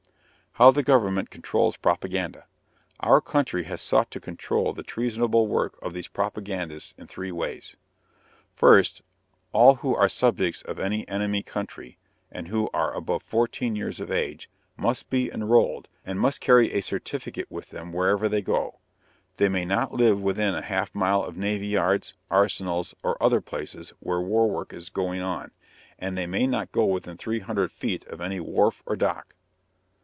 HOW THE GOVERNMENT CONTROLS PROPAGANDA. Our country has sought to control the treasonable work of these propagandists in three ways. First, all who are subjects of any enemy country, and who are above fourteen years of age, must be enrolled, and must carry a certificate with them wherever they go. They may not live within a half mile of navy yards, arsenals, or other places where war work is going on, and they may not go within three hundred feet of any wharf or dock.